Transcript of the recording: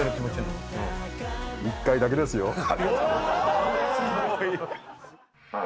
１回だけですよ。